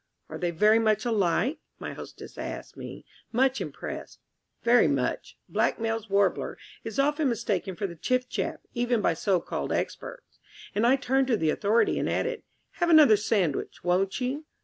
"Are they very much alike?" my hostess asked me, much impressed. "Very much. Blackmail's Warbler is often mistaken for the Chiff chaff, even by so called experts" and I turned to the Authority and added, "Have another sandwich, won't you?"